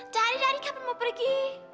dari dari kapan mau pergi